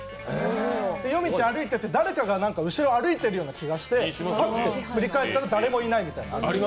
夜道歩いてて、誰かが後ろ歩いてるような気がしてパッて振り返ったら誰もいないみたいな。